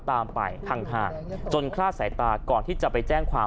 ตามไปห่างจนคลาดสายตาก่อนที่จะไปแจ้งความ